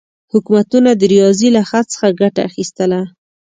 حکومتونه د ریاضي له خط څخه ګټه اخیستله.